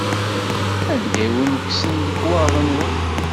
Anda i wen-kksen lekwaɣeḍ-nwen?